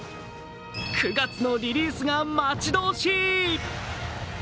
９月のリリースが待ち遠しい！